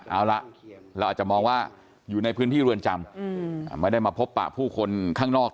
เอาละเราอาจจะมองว่าอยู่ในพื้นที่เรือนจำไม่ได้มาพบปะผู้คนข้างนอก